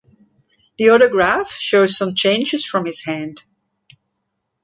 The autograph shows some changes from his hand.